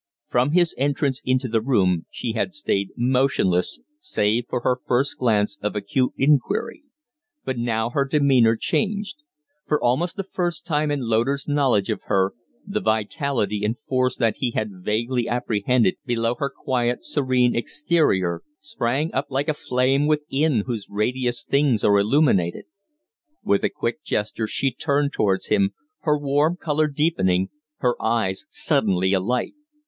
From his entrance into the room she had stayed motionless, save for her first glance of acute inquiry; but now her demeanor changed. For almost the first time in Loder's knowledge of her the vitality and force that he had vaguely apprehended below her quiet, serene exterior sprang up like a flame within whose radius things are illuminated. With a quick gesture she turned towards him, her warm color deepening, her eyes suddenly alight.